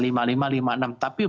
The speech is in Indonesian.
tapi barang siapanya itu tetap ada